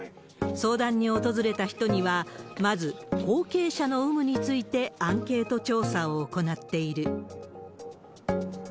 相談に訪れた人には、まず後継者の有無についてアンケート調査を行っている。